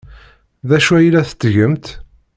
D acu ay la tettgemt?